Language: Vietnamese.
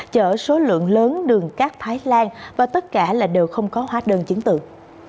chở số lượng lớn đường cát thái lan và tất cả đều không có hóa đơn chứng tượng